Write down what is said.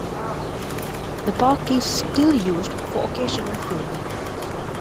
The park is still used for occasional filming.